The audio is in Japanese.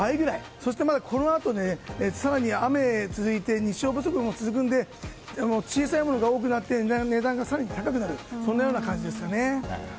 そして、このあと更に雨が続いて日照不足も続くので小さいものが多くなって値段が更に高くなるような感じですかね。